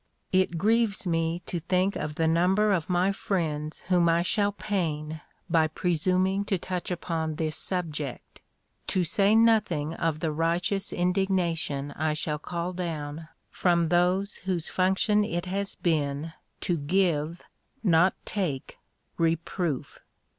It grieves me to think of the number of my friends whom I shall pain by presuming to touch upon this subject, to say nothing of the righteous indignation I shall call down from those whose function it has been to give, not take, reproof.